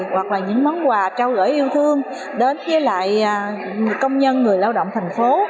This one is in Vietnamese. hoặc là những món quà trao gỡ yêu thương đến với lại công nhân người lao động thành phố